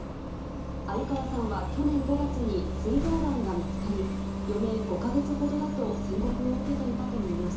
鮎川さんは去年５月にすい臓がんが見つかり、余命５か月ほどだと宣告を受けていたといいます。